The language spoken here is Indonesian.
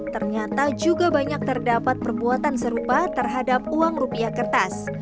ternyata juga banyak terdapat perbuatan serupa terhadap uang rupiah kertas